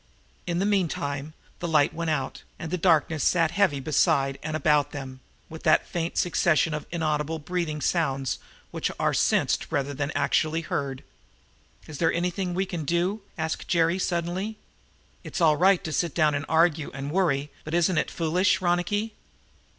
In the meantime the light was out, and the darkness sat heavily beside and about them, with that faint succession of inaudible breathing sounds which are sensed rather than actually heard. "Is there anything that we can do?" asked Jerry suddenly. "It's all right to sit down and argue and worry, but isn't it foolish, Ronicky?"